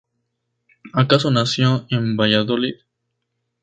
Acaso nació en Valladolid.